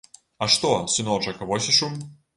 А што, сыночак, вось і шум.